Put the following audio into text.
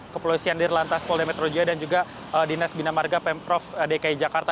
kepolisian diril lantas poli metro jaya dan juga dinas bina marga pemprov dki jakarta